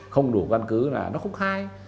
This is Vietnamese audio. không đủ văn cứ là nó không khai